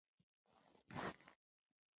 جیني هغه کړنلاره چې ځینو ګټو سره تعامل نه کوي